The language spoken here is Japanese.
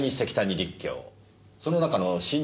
その中の新